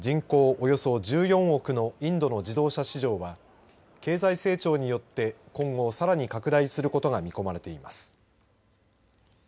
およそ１４憶のインドの自動車市場は経済成長によって今後さらに拡大することが見込まれています。